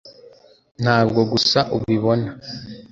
ntabwo gusa ubibona